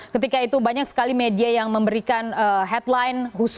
ketika itu banyak sekali media yang memberikan headline